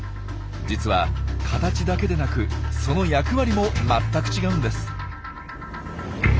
実は形だけでなくその役割も全く違うんです。